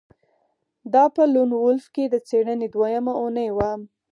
دا په لون وولف کې د څیړنې دویمه اونۍ وه